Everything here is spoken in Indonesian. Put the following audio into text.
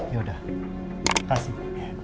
yaudah terima kasih